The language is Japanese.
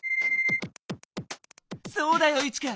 そうだよイチカ！